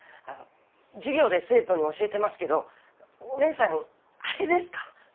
あの授業で生徒に教えてますけどお姉さんあれですか？